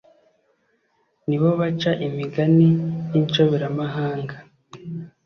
ni bo baca imigani y’inshoberamahanga.